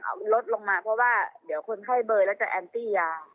เพราะว่าเดี๋ยวคนไข้เบลอแล้วจะแอนตี้ยา